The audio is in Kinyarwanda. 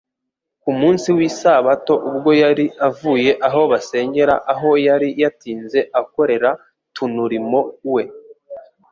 Ku munsi w'Isabato, ubwo yari avuye aho basengera aho yari yatinze akorera tunurimo we,